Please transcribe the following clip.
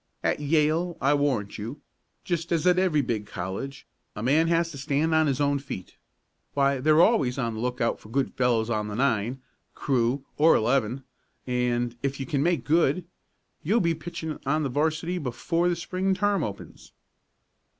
"At Yale, I warrant you, just as at every big college, a man has to stand on his own feet. Why, they're always on the lookout for good fellows on the nine, crew or eleven, and, if you can make good, you'll be pitching on the 'varsity before the Spring term opens."